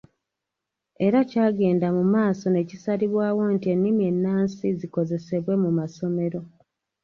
Era kyagenda mu maaso ne kisalibwawo nti ennimi ennansi zikozesebwe mu masomero.